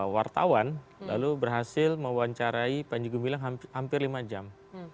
wartawan lalu berhasil mewawancarai panjigu milang hampir lima jam